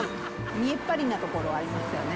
見えっ張りなところありますよね。